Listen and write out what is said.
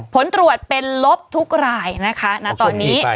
ผลตรวจเป็นลบทุกรายนะคะณตอนนี้